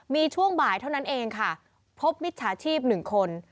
มีช่วงบ่ายเท่านั้นเองค่ะพบมิจฉาชีพ๑คน